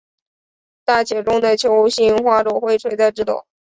大且重的球形花朵会垂在枝头。